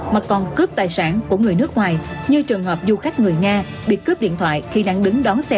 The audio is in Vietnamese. mà còn cướp tài sản của người nước ngoài như trường hợp du khách người nga bị cướp điện thoại khi đang đứng đón xe